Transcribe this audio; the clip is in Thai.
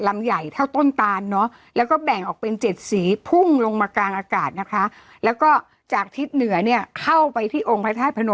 แมวเราออกลูก๔ตัวนั่น